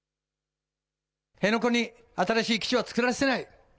辺野古に新しい基地は造らせない。